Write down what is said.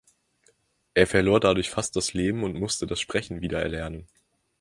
Er verlor dadurch fast das Leben und musste das Sprechen wieder erlernen.